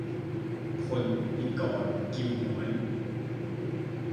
พล นิกร กิมหงวน